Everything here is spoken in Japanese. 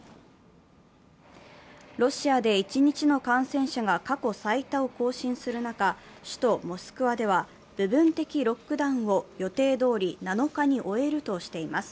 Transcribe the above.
ロシアで１日の感染者が過去最多を更新する中、首都モスクワでは部分的ロックダウンを予定どおり７日に終えるとしています。